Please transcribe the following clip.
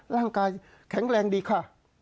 แรงดีค่ะ